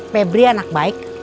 pebri anak baik